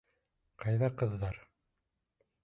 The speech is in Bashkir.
Ҡайҙа ҡыҙҙар?